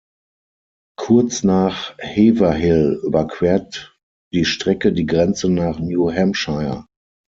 Kurz nach Haverhill überquert die Strecke die Grenze nach New Hampshire.